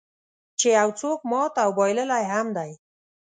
چې یو څوک مات او بایللی هم دی.